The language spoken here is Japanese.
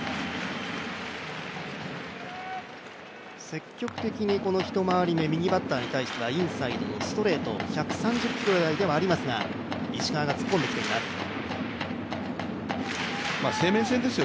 積極的に１回り目、右バッターに対してはインコースのストレート、１３０キロ台ではありますが、石川が突っ込んできています。